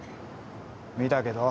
見たけど。